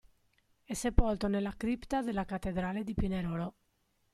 È sepolto nella cripta della cattedrale di Pinerolo.